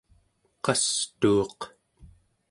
qastuuq